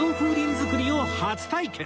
作りを初体験！